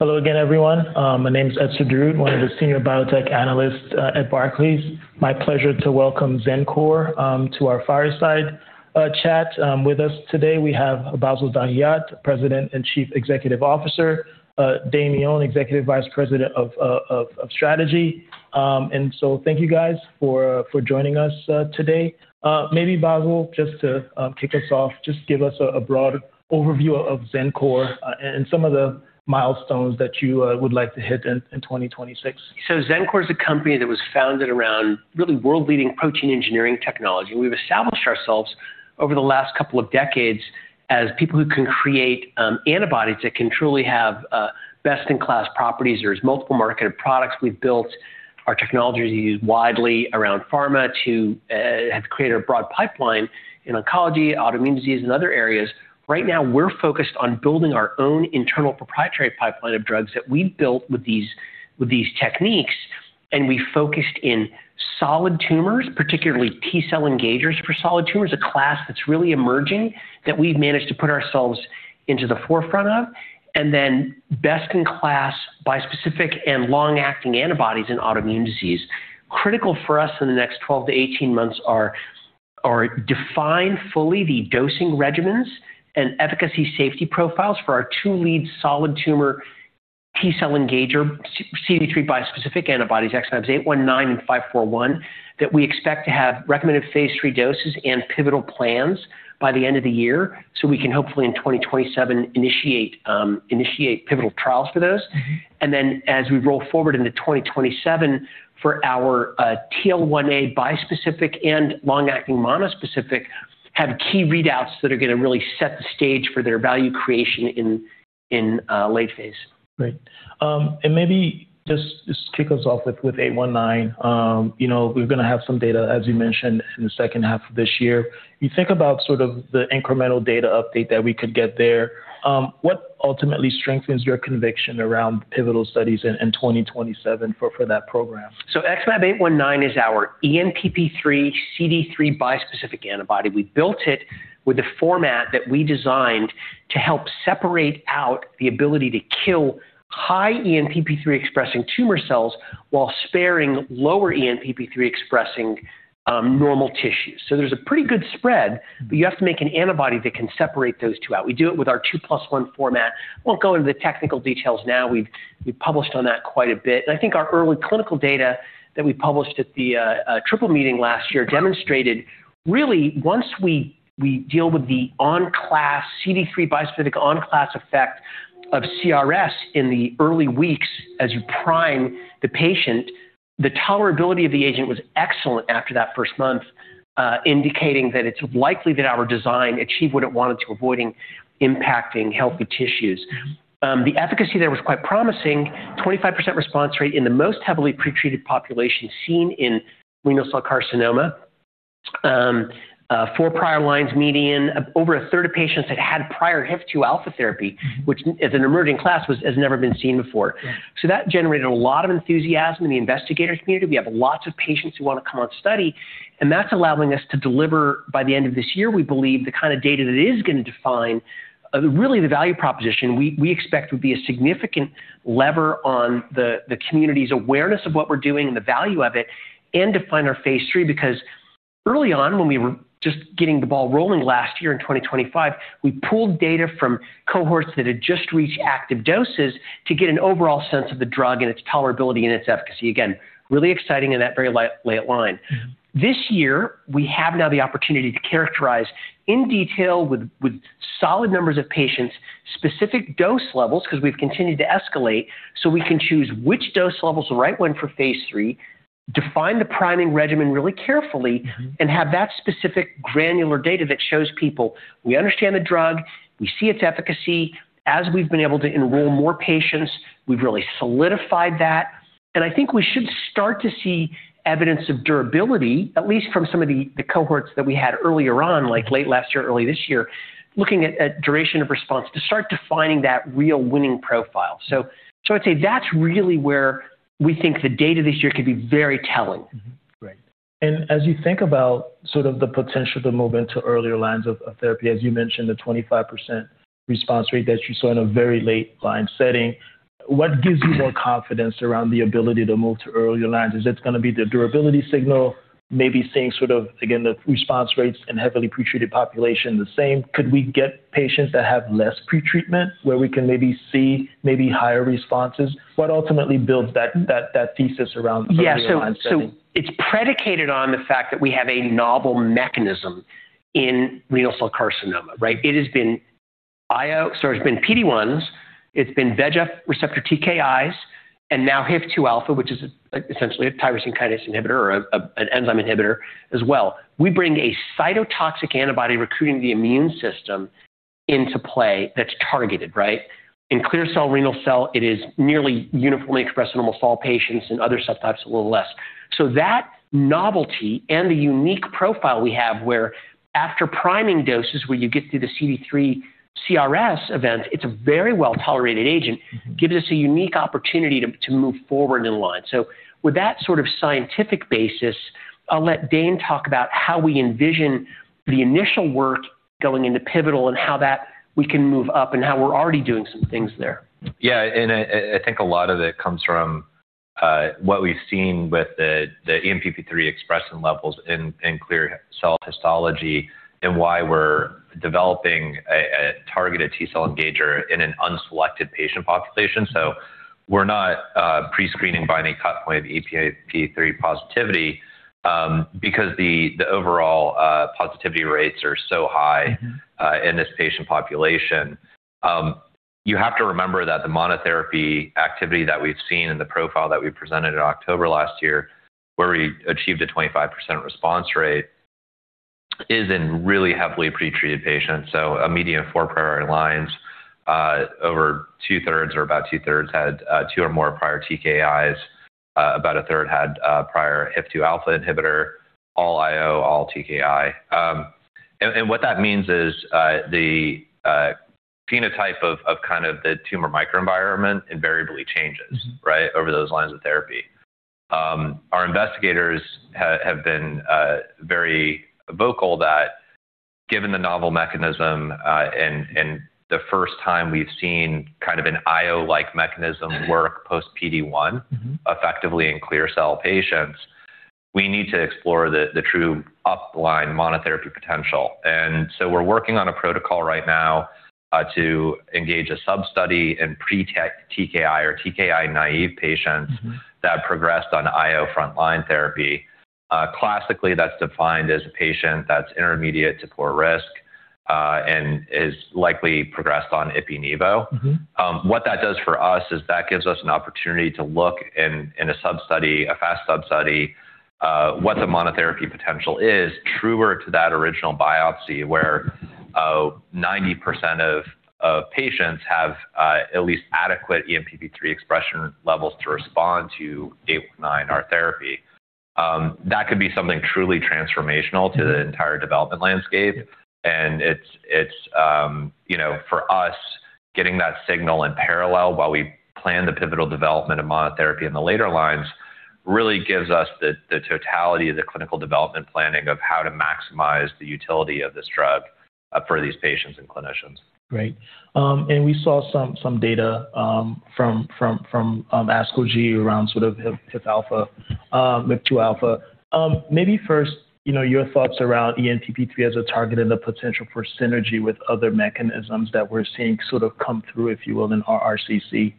Hello again, everyone. My name is Etzer Darout, one of the senior biotech analysts at Barclays. My pleasure to welcome Xencor to our fireside chat. With us today, we have Bassil Dahiyat, President and Chief Executive Officer, Dane Leone, Executive Vice President & Chief Strategy Officer. Thank you guys for joining us today. Maybe Bassil, just to kick us off, just give us a broad overview of Xencor and some of the milestones that you would like to hit in 2026. Xencor is a company that was founded around really world-leading protein engineering technology. We've established ourselves over the last couple of decades as people who can create antibodies that can truly have best-in-class properties. There's multiple marketed products we've built. Our technology is used widely around pharma to have created a broad pipeline in oncology, autoimmune disease, and other areas. Right now, we're focused on building our own internal proprietary pipeline of drugs that we've built with these techniques, and we focused in solid tumors, particularly T-cell engagers for solid tumors, a class that's really emerging that we've managed to put ourselves into the forefront of. Best-in-class bispecific and long-acting antibodies in autoimmune disease. Critical for us in the next 12 to 18 months are to define fully the dosing regimens and efficacy safety profiles for our two lead solid tumor T-cell engager CD3 bispecific antibodies, XmAb819 and XmAb541, that we expect to have recommended phase 3 doses and pivotal plans by the end of the year, so we can hopefully in 2027 initiate pivotal trials for those. Mm-hmm. As we roll forward into 2027 for our TL1A bispecific and long-acting monospecific, have key readouts that are going to really set the stage for their value creation in late phase. Great. Maybe just kick us off with XmAb819. You know, we're gonna have some data, as you mentioned, in the second half of this year. You think about sort of the incremental data update that we could get there. What ultimately strengthens your conviction around pivotal studies in 2027 for that program? XmAb819 is our ENPP3 CD3 bispecific antibody. We built it with a format that we designed to help separate out the ability to kill high ENPP3-expressing tumor cells while sparing lower ENPP3-expressing normal tissues. There's a pretty good spread, but you have to make an antibody that can separate those two out. We do it with our 2+1 format. Won't go into the technical details now. We've published on that quite a bit. I think our early clinical data that we published at the SITC Meeting last year demonstrated really once we deal with the class CD3 bispecific class effect of CRS in the early weeks as you prime the patient, the tolerability of the agent was excellent after that first month, indicating that it's likely that our design achieved what it wanted to, avoiding impacting healthy tissues. The efficacy there was quite promising. 25% response rate in the most heavily pretreated population seen in renal cell carcinoma. 4 prior lines median. Over a third of patients had prior HIF-2 alpha therapy, which as an emerging class has never been seen before. That generated a lot of enthusiasm in the investigator community. We have lots of patients who want to come on study, and that's allowing us to deliver by the end of this year, we believe the kind of data that is going to define, really the value proposition we expect would be a significant lever on the community's awareness of what we're doing and the value of it, and define our phase 3. Because early on, when we were just getting the ball rolling last year in 2025, we pulled data from cohorts that had just reached active doses to get an overall sense of the drug and its tolerability and its efficacy. Again, really exciting in that very late line. This year, we have now the opportunity to characterize in detail with solid numbers of patients specific dose levels because we've continued to escalate, so we can choose which dose level is the right one for phase three, define the priming regimen really carefully. Mm-hmm. Have that specific granular data that shows people we understand the drug, we see its efficacy. As we've been able to enroll more patients, we've really solidified that. I think we should start to see evidence of durability, at least from some of the cohorts that we had earlier on, like late last year, early this year, looking at duration of response to start defining that real winning profile. I'd say that's really where we think the data this year could be very telling. Great. As you think about sort of the potential to move into earlier lines of therapy, as you mentioned, the 25% response rate that you saw in a very late line setting, what gives you more confidence around the ability to move to earlier lines? Is it gonna be the durability signal, maybe seeing sort of again the response rates in heavily pretreated population the same? Could we get patients that have less pretreatment where we can maybe see higher responses? What ultimately builds that thesis around the earlier line setting? Yeah. It's predicated on the fact that we have a novel mechanism in renal cell carcinoma, right? It has been IO. It's been PD-1s, it's been VEGF receptor TKIs, and now HIF-2 alpha, which is essentially a tyrosine kinase inhibitor or an enzyme inhibitor as well. We bring a cytotoxic antibody recruiting the immune system into play that's targeted, right? In clear cell renal cell, it is nearly uniformly expressed in almost all patients, in other subtypes, a little less. That novelty and the unique profile we have, where after priming doses, where you get to the CD3 CRS event, it's a very well-tolerated agent, gives us a unique opportunity to move forward in line. With that sort of scientific basis. I'll let Dane talk about how we envision the initial work going into pivotal and how that we can move up and how we're already doing some things there. Yeah. I think a lot of it comes from what we've seen with the ENPP3 expression levels in clear cell histology and why we're developing a targeted T-cell engager in an unselected patient population. We're not pre-screening by any cut point of ENPP3 positivity, because the overall positivity rates are so high. Mm-hmm In this patient population. You have to remember that the monotherapy activity that we've seen in the profile that we presented in October last year, where we achieved a 25% response rate, is in really heavily pre-treated patients. A median of four prior lines, over two-thirds or about two-thirds had two or more prior TKIs. About a third had prior HIF-2 alpha inhibitor, all IO, all TKI. And what that means is, the phenotype of kind of the tumor microenvironment invariably changes. Mm-hmm ...right, over those lines of therapy. Our investigators have been very vocal that given the novel mechanism, and the first time we've seen kind of an IO-like mechanism work post PD-1. Mm-hmm Effectively in clear cell patients, we need to explore the true upfront monotherapy potential. We're working on a protocol right now to engage a sub-study in pre-TKI or TKI-naive patients. Mm-hmm that progressed on IO frontline therapy. Classically that's defined as a patient that's intermediate to poor risk, and is likely progressed on ipi/nivo. Mm-hmm. What that does for us is that gives us an opportunity to look in a sub-study, a fast sub-study, what the monotherapy potential is truer to that original biopsy, where 90% of patients have at least adequate ENPP3 expression levels to respond to XmAb819, our therapy. That could be something truly transformational to the entire development landscape, and it's you know for us, getting that signal in parallel while we plan the pivotal development of monotherapy in the later lines really gives us the totality of the clinical development planning of how to maximize the utility of this drug for these patients and clinicians. Great. We saw some data from ASCO GU around sort of HIF-2 alpha. Maybe first, you know, your thoughts around ENPP3 as a target and the potential for synergy with other mechanisms that we're seeing sort of come through, if you will, in RCC.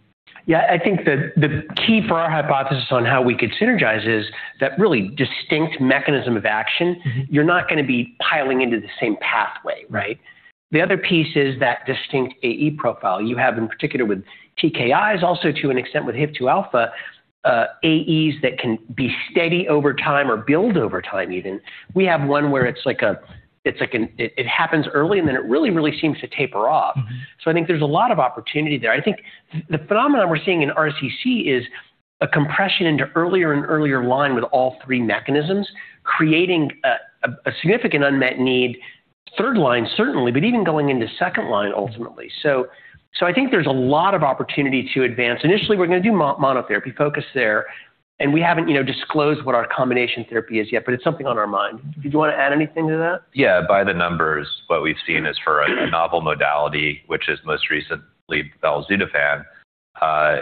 Yeah. I think the key for our hypothesis on how we could synergize is that really distinct mechanism of action. Mm-hmm. You're not gonna be piling into the same pathway, right? The other piece is that distinct AE profile you have in particular with TKIs, also to an extent with HIF-2 alpha, AEs that can be steady over time or build over time even. We have one where it happens early, and then it really, really seems to taper off. Mm-hmm. I think there's a lot of opportunity there. I think the phenomenon we're seeing in RCC is a compression into earlier and earlier line with all three mechanisms, creating a significant unmet need third line, certainly, but even going into second line ultimately. I think there's a lot of opportunity to advance. Initially, we're gonna do monotherapy focus there, and we haven't, you know, disclosed what our combination therapy is yet, but it's something on our mind. Did you wanna add anything to that? Yeah. By the numbers, what we've seen is for a novel modality, which is most recently belzutifan,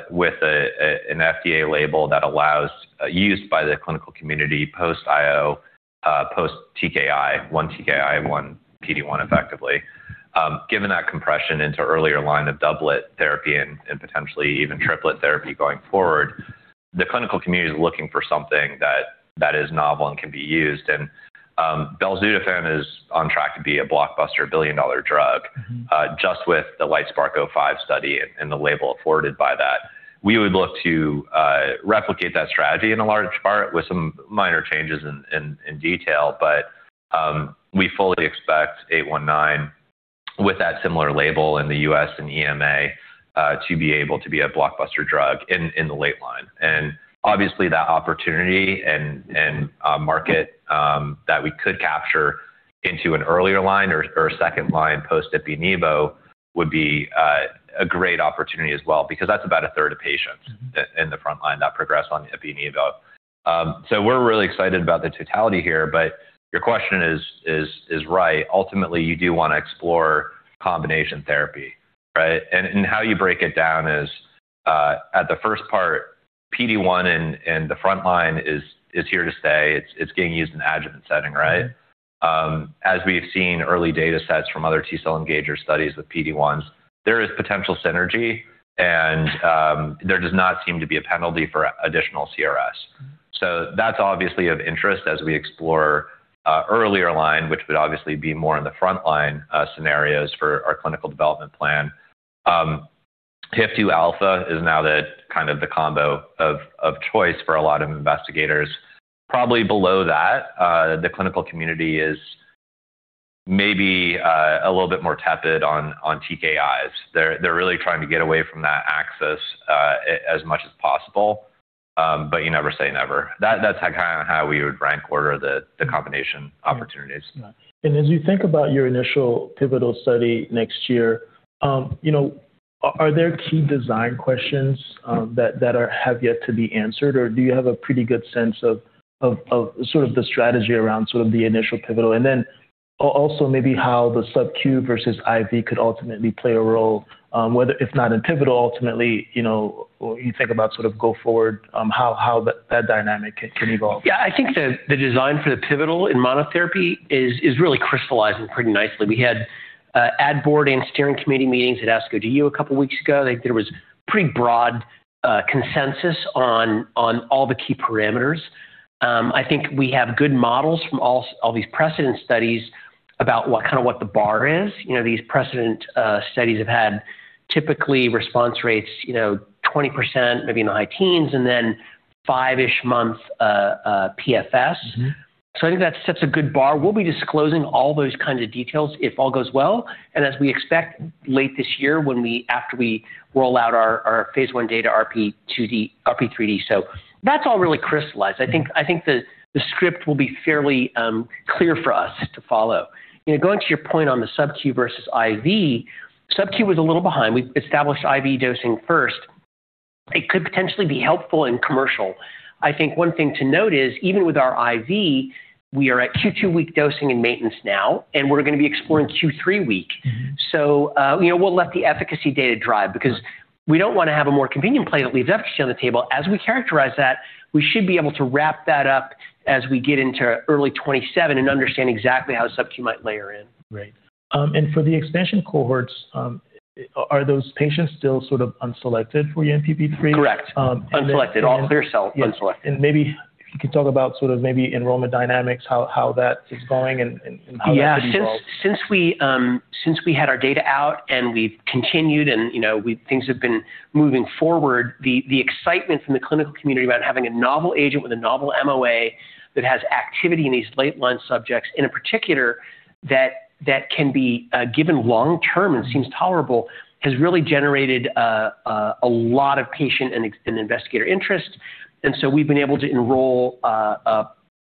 with an FDA label that allows use by the clinical community post IO, post TKI, one TKI, one PD-1 effectively. Given that compression into earlier line of doublet therapy and potentially even triplet therapy going forward, the clinical community is looking for something that is novel and can be used. Belzutifan is on track to be a blockbuster billion-dollar drug. Mm-hmm ...just with the LITESPARK-005 study and the label afforded by that. We would look to replicate that strategy in a large part with some minor changes in detail. We fully expect XmAb819 with that similar label in the US and EMA to be able to be a blockbuster drug in the late line. Obviously, that opportunity and market that we could capture into an earlier line or second line post ipi/nivo would be a great opportunity as well because that's about a third of patients- Mm-hmm In the front line that progress on ipi/nivo. We're really excited about the totality here, but your question is right. Ultimately, you do wanna explore combination therapy, right? How you break it down is, at the first part, PD-1 in the front line is here to stay. It's getting used in adjuvant setting, right? As we've seen early datasets from other T-cell engager studies with PD-1s, there is potential synergy and there does not seem to be a penalty for additional CRS. That's obviously of interest as we explore earlier line, which would obviously be more in the front-line scenarios for our clinical development plan. HIF-2 alpha is now the kind of combo of choice for a lot of investigators. Probably below that, the clinical community is maybe a little bit more tepid on TKIs. They're really trying to get away from that axis as much as possible, but you never say never. That's like kinda how we would rank order the combination opportunities. Yeah. As you think about your initial pivotal study next year, you know? Are there key design questions that have yet to be answered, or do you have a pretty good sense of sort of the strategy around sort of the initial pivotal? Also maybe how the SubQ versus IV could ultimately play a role, whether if not in pivotal, ultimately, you know, or you think about sort of go forward, how that dynamic can evolve. Yeah. I think the design for the pivotal in monotherapy is really crystallizing pretty nicely. We had ad board and steering committee meetings at ASCO GU a couple weeks ago. Like, there was pretty broad consensus on all the key parameters. I think we have good models from all these precedent studies about what kinda what the bar is. You know, these precedent studies have had typically response rates, you know, 20%, maybe in the high teens, and then 5-ish month PFS. Mm-hmm. I think that sets a good bar. We'll be disclosing all those kinds of details if all goes well, and as we expect late this year after we roll out our phase 1 data RP2D, RP3D. That's all really crystallized. I think the script will be fairly clear for us to follow. You know, going to your point on the subQ versus IV, subQ was a little behind. We established IV dosing first. It could potentially be helpful in commercial. I think one thing to note is, even with our IV, we are at Q2W dosing and maintenance now, and we're gonna be exploring Q3W. Mm-hmm. you know, we'll let the efficacy data drive because we don't wanna have a more convenient play that leaves efficacy on the table. As we characterize that, we should be able to wrap that up as we get into early 2027 and understand exactly how SubQ might layer in. Right. For the expansion cohorts, are those patients still sort of unselected for ENPP3? Correct. Um, and then- Unselected. All clear cell, unselected. Yes. Maybe if you could talk about sort of maybe enrollment dynamics, how that is going and how that could evolve. Yeah. Since we had our data out and we've continued and, you know, things have been moving forward, the excitement from the clinical community about having a novel agent with a novel MOA that has activity in these late-line subjects, and in particular, that can be given long-term and seems tolerable, has really generated a lot of patient and investigator interest. We've been able to enroll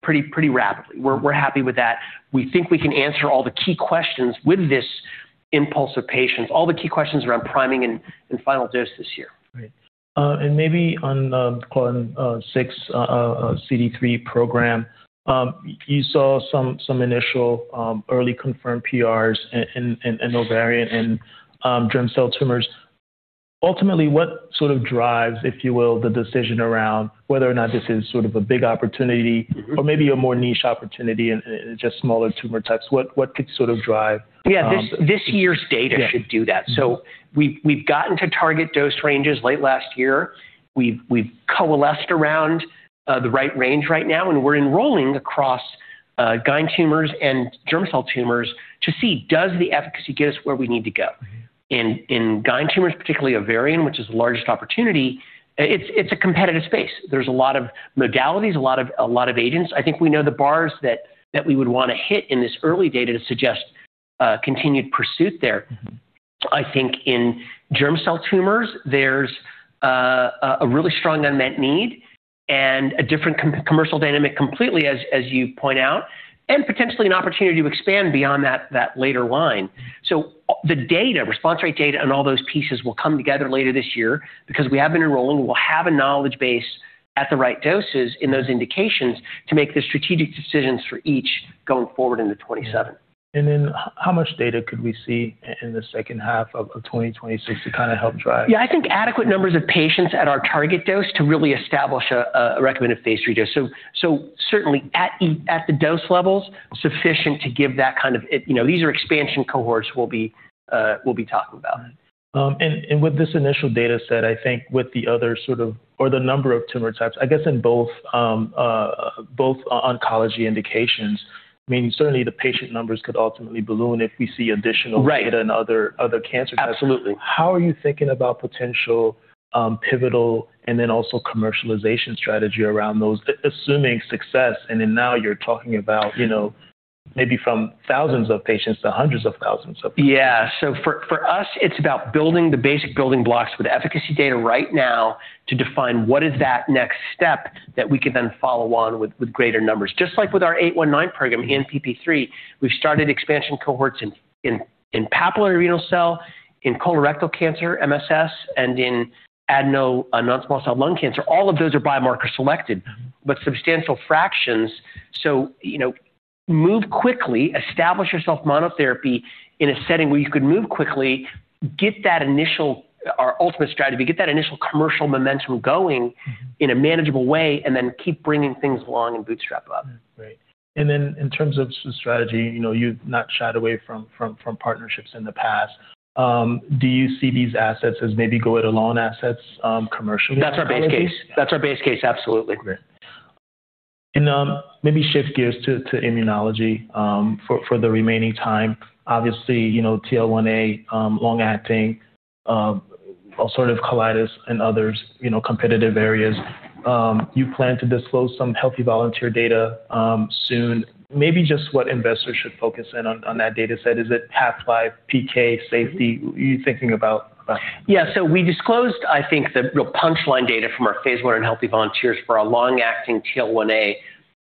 pretty rapidly. We're happy with that. We think we can answer all the key questions with this influx of patients, all the key questions around priming and final dose this year. Right. Maybe on the XmAb541 CD3 program, you saw some initial early confirmed PRs in ovarian and germ cell tumors. Ultimately, what sort of drives, if you will, the decision around whether or not this is sort of a big opportunity? Mm-hmm. Maybe a more niche opportunity in just smaller tumor types? What could sort of drive Yeah. This year's data should do that. Yeah. Mm-hmm. We've gotten to target dose ranges late last year. We've coalesced around the right range right now, and we're enrolling across GYN tumors and germ cell tumors to see does the efficacy get us where we need to go. Mm-hmm. In GYN tumors, particularly ovarian, which is the largest opportunity, it's a competitive space. There's a lot of modalities, a lot of agents. I think we know the bars that we would wanna hit in this early data to suggest continued pursuit there. Mm-hmm. I think in germ cell tumors, there's a really strong unmet need and a different commercial dynamic completely, as you point out, and potentially an opportunity to expand beyond that later line. The data, response rate data, and all those pieces will come together later this year because we have been enrolling, and we'll have a knowledge base at the right doses in those indications to make the strategic decisions for each going forward into 2027. How much data could we see in the second half of 2026 to kinda help drive? Yeah. I think adequate numbers of patients at our target dose to really establish a recommended phase 3 dose. Certainly at the dose levels sufficient to give that kind of it. You know, these are expansion cohorts we'll be talking about. With this initial data set, I think with the other sort of or the number of tumor types, I guess in both oncology indications, I mean, certainly the patient numbers could ultimately balloon if we see additional. Right. Data in other cancer types. Absolutely. How are you thinking about potential pivotal and then also commercialization strategy around those, assuming success, and then now you're talking about, you know, maybe from thousands of patients to hundreds of thousands of patients? Yeah. For us, it's about building the basic building blocks with efficacy data right now to define what is that next step that we could then follow on with greater numbers. Just like with our XmAb819 program in ENPP3, we've started expansion cohorts in papillary renal cell, in colorectal cancer MSS, and in adenocarcinoma non-small cell lung cancer. All of those are biomarker selected, but substantial fractions. You know, move quickly, establish yourself monotherapy in a setting where you could move quickly, get that initial our ultimate strategy, get that initial commercial momentum going. Mm-hmm. in a manageable way, and then keep bringing things along and bootstrap up. In terms of strategy, you know, you've not shied away from partnerships in the past. Do you see these assets as maybe go it alone assets, commercially? That's our base case, absolutely. Great. Maybe shift gears to immunology for the remaining time. Obviously, you know, TL1A, long-acting, ulcerative colitis and others, you know, competitive areas. You plan to disclose some healthy volunteer data soon. Maybe just what investors should focus in on that data set. Is it half-life, PK, safety? What are you thinking about? Yeah. We disclosed, I think, the real punchline data from our phase 1 in healthy volunteers for our long-acting TL1A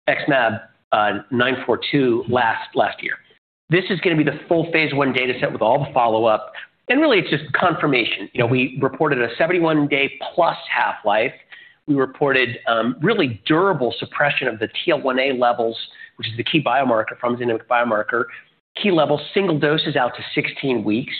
XmAb942 last year. This is going to be the full phase 1 data set with all the follow-up. Really, it's just confirmation. You know, we reported a 71-day+ half-life. We reported really durable suppression of the TL1A levels, which is the key biomarker, pharmacodynamic biomarker. Key levels, single doses out to 16 weeks.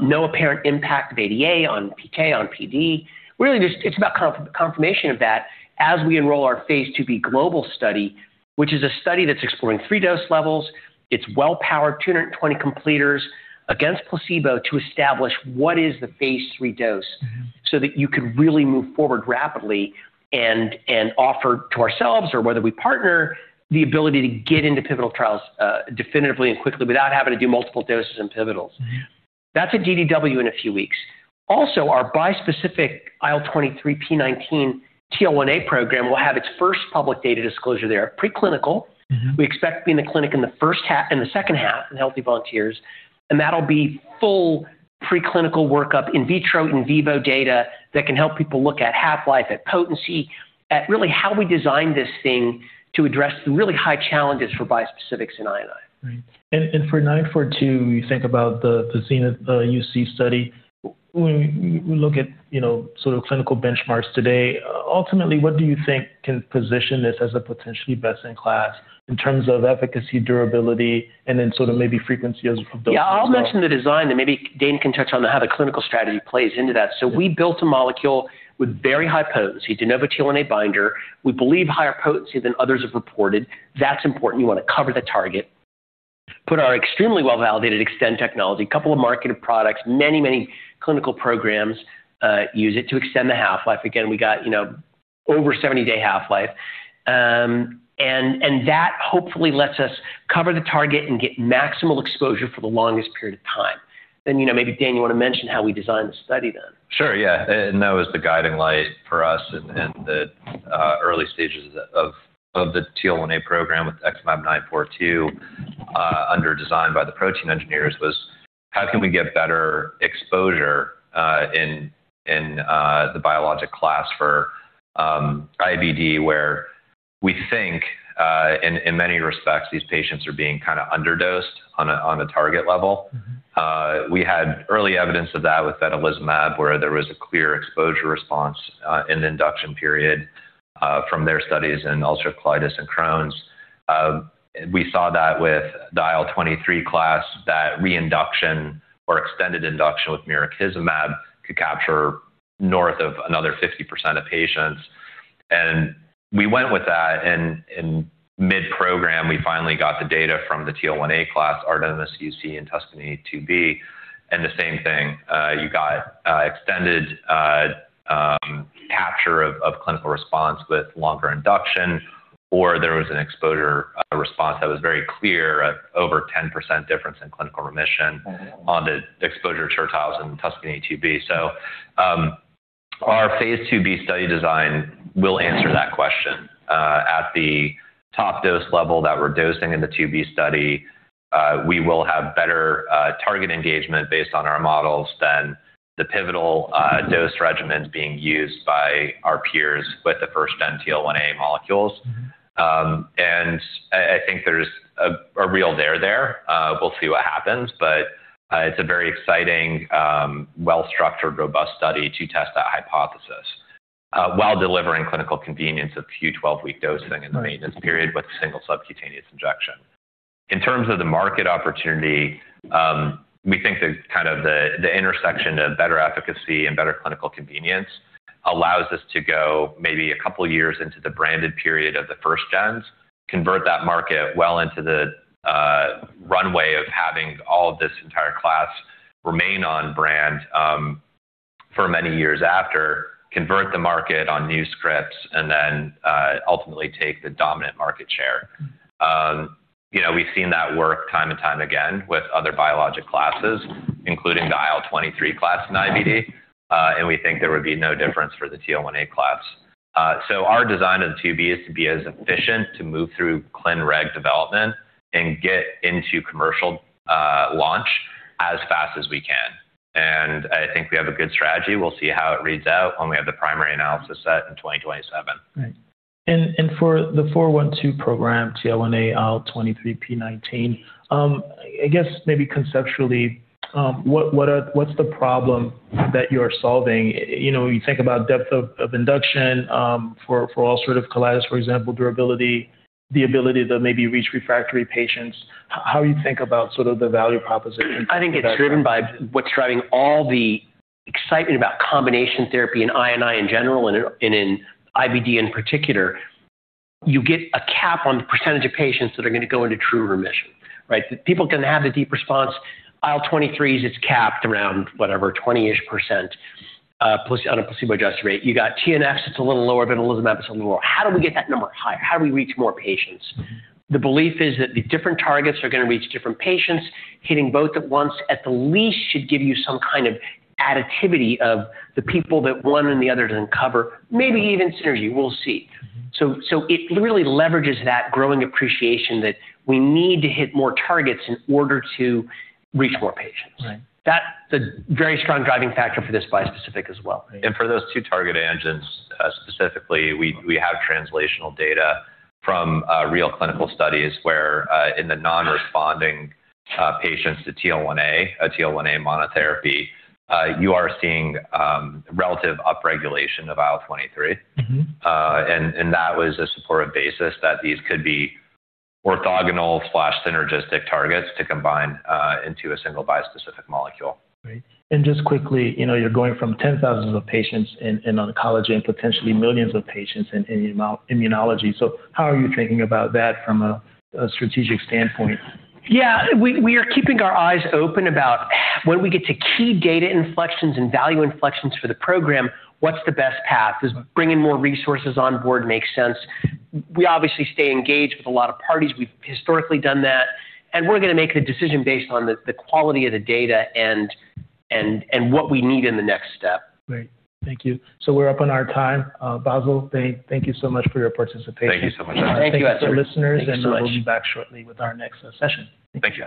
No apparent impact of ADA on PK, on PD. Really, just, it's about confirmation of that as we enroll our phase 2b global study, which is a study that's exploring 3 dose levels. It's well powered, 220 completers against placebo to establish what is the phase 3 dose, so that you could really move forward rapidly and offer to ourselves or whether we partner, the ability to get into pivotal trials, definitively and quickly without having to do multiple doses and pivotals. Mm-hmm. That's at DDW in a few weeks. Also, our bispecific IL-23/P19 TL1A program will have its first public data disclosure there. Preclinical. Mm-hmm. We expect to be in the clinic in the second half in healthy volunteers, and that'll be full preclinical workup, in vitro, in vivo data that can help people look at half-life, at potency, at really how we design this thing to address the really high challenges for bispecifics in I&I. Right. For XmAb942, you think about the XENITH-UC UC study. When we look at, you know, sort of clinical benchmarks today, ultimately, what do you think can position this as a potentially best in class in terms of efficacy, durability, and then sort of maybe frequency as a proxy as well? Yeah. I'll mention the design, then maybe Dane can touch on how the clinical strategy plays into that. We built a molecule with very high potency, de novo TL1A binder. We believe higher potency than others have reported. That's important. You want to cover the target. Put our extremely well-validated Xtend technology, couple of marketed products, many, many clinical programs, use it to extend the half-life. Again, we got, you know, over 70-day half-life. And that hopefully lets us cover the target and get maximal exposure for the longest period of time. You know, maybe Dane, you want to mention how we designed the study then. Sure, yeah. That was the guiding light for us in the early stages of the TL1A program with XmAb942 under design by the protein engineers was how can we get better exposure in the biologic class for IBD where we think in many respects these patients are being kinda underdosed on a target level. We had early evidence of that with vedolizumab, where there was a clear exposure response in the induction period from their studies in ulcerative colitis and Crohn's. We saw that with the IL-23 class that reinduction or extended induction with mirikizumab could capture north of another 50% of patients. We went with that, and mid-program, we finally got the data from the TL1A class, ARTEMIS-UC and TUSCANY-2. The same thing, you got extended capture of clinical response with longer induction or there was an exposure response that was very clear, over 10% difference in clinical remission. Mm-hmm. On the exposure to Certolizumab in TUSCANY-2. Our phase 2b study design will answer that question. At the top dose level that we're dosing in the 2b study, we will have better target engagement based on our models than the pivotal dose regimens being used by our peers with the first gen TL1A molecules. I think there's a real there there. We'll see what happens, but it's a very exciting, well-structured, robust study to test that hypothesis, while delivering clinical convenience of Q12 week dosing in the maintenance period with single subcutaneous injection. In terms of the market opportunity, we think that kind of the intersection of better efficacy and better clinical convenience allows us to go maybe a couple of years into the branded period of the first gens, convert that market well into the runway of having all of this entire class remain on brand, for many years after, convert the market on new scripts, and then ultimately take the dominant market share. You know, we've seen that work time and time again with other biologic classes, including the IL-23 class in IBD, and we think there would be no difference for the TL1A class. So our design of the 2b is to be as efficient to move through clin reg development and get into commercial launch as fast as we can. I think we have a good strategy. We'll see how it reads out when we have the primary analysis set in 2027. For the XmAb412 program, TL1A/IL-23/P19, I guess maybe conceptually, what's the problem that you're solving? You know, when you think about depth of induction, for ulcerative colitis, for example, durability, the ability to maybe reach refractory patients, how do you think about sort of the value proposition for that drug? I think it's driven by what's driving all the excitement about combination therapy in I&I in general, and in IBD in particular. You get a cap on the percentage of patients that are gonna go into true remission, right? People can have the deep response. IL-23, it's capped around whatever, 20-ish%, plus on a placebo-adjusted rate. You got TNFs, it's a little lower, vedolizumab is a little lower. How do we get that number higher? How do we reach more patients? The belief is that the different targets are gonna reach different patients. Hitting both at once at the least should give you some kind of additivity of the people that one and the other doesn't cover, maybe even synergy. We'll see. It really leverages that growing appreciation that we need to hit more targets in order to reach more patients. Right. That's a very strong driving factor for this bispecific as well. Right. For those 2 target engines, specifically, we have translational data from real clinical studies where, in the non-responding patients to TL1A monotherapy, you are seeing relative upregulation of IL-23. Mm-hmm. that was a supportive basis that these could be orthogonal/synergistic targets to combine into a single bispecific molecule. Right. Just quickly, you know, you're going from tens of thousands of patients in oncology and potentially millions of patients in immunology. How are you thinking about that from a strategic standpoint? Yeah. We are keeping our eyes open about when we get to key data inflections and value inflections for the program, what's the best path? Does bringing more resources on board make sense? We obviously stay engaged with a lot of parties. We've historically done that, and we're gonna make the decision based on the quality of the data and what we need in the next step. Great. Thank you. We're up on our time. Bassil, Dane, thank you so much for your participation. Thank you so much. Thank you. Thank you to our listeners. Thank you so much. We'll be back shortly with our next session. Thank you.